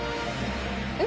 えっ？